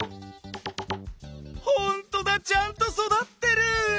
ほんとだちゃんとそだってる！